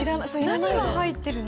何が入ってるの？